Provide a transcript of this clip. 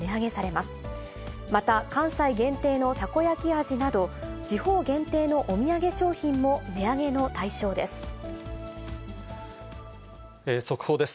また、関西限定のたこ焼き味など、地方限定のお土産商品も値上げの速報です。